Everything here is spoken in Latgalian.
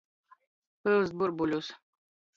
Pyust burbuļus.